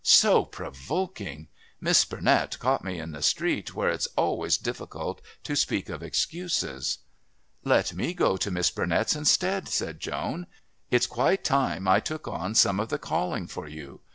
So provoking! Miss Burnett caught me in the street, where it's always so difficult to think of excuses." "Let me go to Miss Burnett's instead," said Joan. "It's quite time I took on some of the calling for you.